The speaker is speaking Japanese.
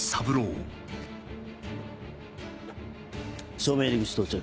正面入り口到着。